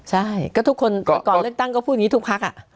ใช่ก็ทุกคนก่อนเลือกตั้งก็พูดอย่างนี้ทุกพัก